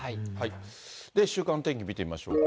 週間天気見てみましょうか。